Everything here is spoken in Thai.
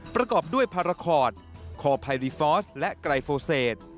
ประกอบด้วยพาราคอร์ดคอไพรีฟอร์สและไกรโฟเซต